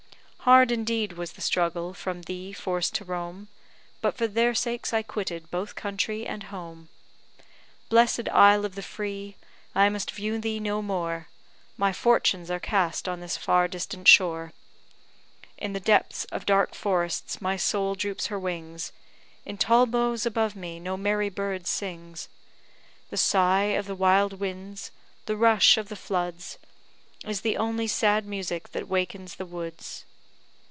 Hard indeed was the struggle, from thee forced to roam; But for their sakes I quitted both country and home. Bless'd Isle of the Free! I must view thee no more; My fortunes are cast on this far distant shore; In the depths of dark forests my soul droops her wings; In tall boughs above me no merry bird sings; The sigh of the wild winds the rush of the floods Is the only sad music that wakens the woods.